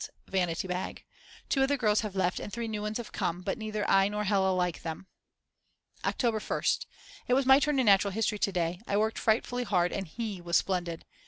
's vanity bag. Two other girls have left and three new one's have come, but neither I nor Hella like them. October 1st. It was my turn in Natural History to day I worked frightfully hard and He was splendid.